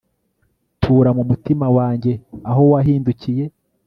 tura mu mutima wanjye, aho wahindukiye